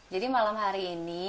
jadi malam hari ini